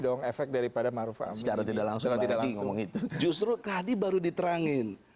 dong efek daripada maruf amin secara tidak langsung tidak langsung itu justru tadi baru diterangin